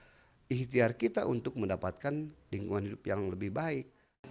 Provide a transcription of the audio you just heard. itu adalah ikhtiar kita untuk mendapatkan lingkungan hidup yang lebih baik